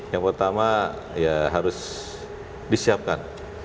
yang pertama ya harus disiapkan